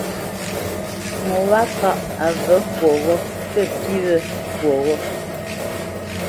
Ŋo wâ kâʼ a və̌ fwoghó pə fî wé fwoghó.